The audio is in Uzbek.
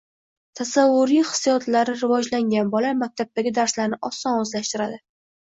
Tasavvuriy hissiyotlari rivojlangan bola maktabdagi darslarni oson o‘zlashtiradi.